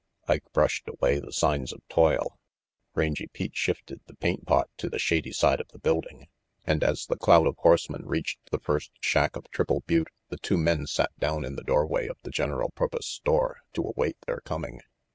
Ike brushed away the signs of toil, Rangy Pete shifted the paint pot to the shady side of the building, and as the cloud of horsemen reached the first shack of Triple Butte the two men sat down in the doorway of the "General Purpus" store to await their coming.